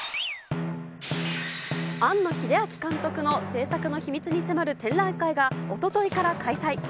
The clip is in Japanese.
庵野秀明監督の制作の秘密に迫る展覧会がおとといから開催。